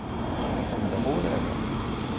Ḥemmleɣ urar-a.